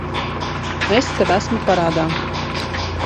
Es tev esmu parādā.